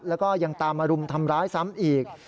แล้วก็ยังตามมารุมทำร้ายซ้ำอีก